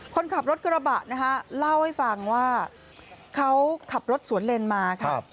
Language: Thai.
คนขับรถกระบะนะคะเล่าให้ฟังว่าเขาขับรถสวนเลนมาค่ะ